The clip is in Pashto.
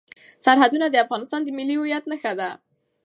سرحدونه د افغانستان د ملي هویت نښه ده.